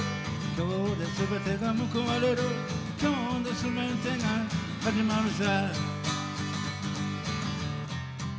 今日ですべてがむくわれる今日ですべてが始まるさ。